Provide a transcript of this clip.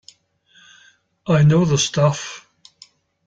I know the stuff.